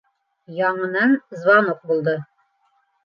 Яңынан звонок булды.